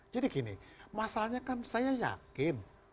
jadi gini masalahnya kan saya yakin